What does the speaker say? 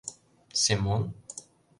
— Семон?